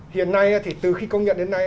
hiện nay thì từ khi công nhận đến nay